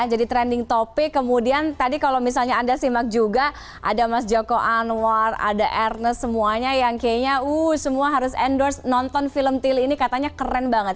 jadi trending topic kemudian tadi kalau misalnya anda simak juga ada mas joko anwar ada ernest semuanya yang kayaknya semua harus endorse nonton film tili ini katanya keren banget